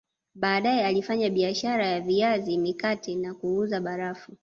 Baadae alifanya biashara ya viazi mikate na kuuza barafu